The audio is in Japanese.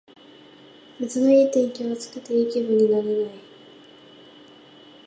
夏のいい天気は暑くていい気分になれない